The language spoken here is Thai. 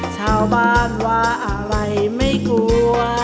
ชาวบ้านว่าอะไรไม่กลัว